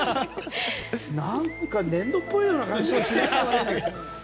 何か粘土っぽいような感じがするんだけど。